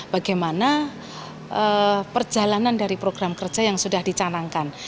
bagaimana perjalanan dari program kerja yang sudah dicanangkan